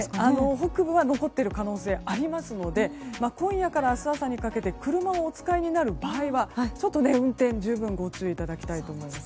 北部は残っている可能性ありますので今夜から明日朝にかけて車をお使いになる場合は運転に十分ご注意いただきたいと思います。